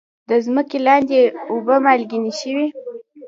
د ځمکې لاندې اوبه مالګینې شوي؟